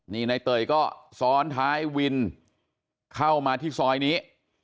นี่นายเตยก็ซ้อนท้ายวินเข้ามาที่ซอยนี้